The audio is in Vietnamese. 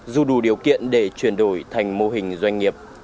dù đủ điều kiện để chuyển đổi thành mô hình doanh nghiệp